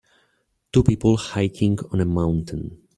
Two people hiking on a mountain.